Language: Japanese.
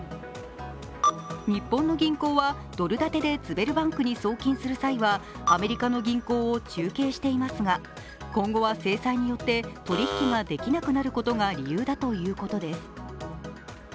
日本の銀行はドル建てでズベルバンクに送金する際は、アメリカの銀行を中継していますが、今後は制裁によって取引ができなくなることが理由だということです。